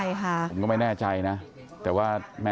ล้อครับไม่แน่ใจค่ะ